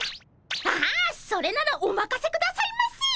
ああそれならおまかせくださいませ！